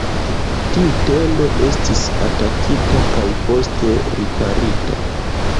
Tiu tendo estis atakita kaj poste riparita.